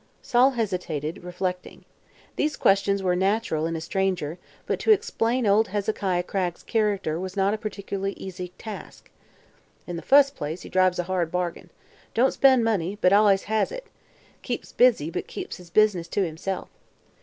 Sol hesitated, reflecting. These questions were natural, in a stranger, but to explain old Hezekiah Cragg's character was not a particularly easy task. "In the fust place, he drives a hard bargain. Don't spend money, but allus has it. Keeps busy, but keeps his business to himself."